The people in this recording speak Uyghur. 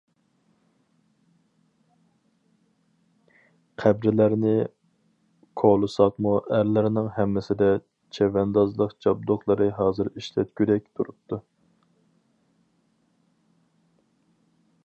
قەبرىلەرنى كولىساقمۇ ئەرلەرنىڭ ھەممىسىدە چەۋەندازلىق جابدۇقلىرى ھازىر ئىشلەتكۈدەك تۇرۇپتۇ.